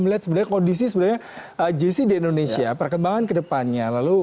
lalu dia dikenal